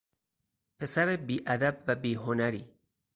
... پسر بیادب و بیهنری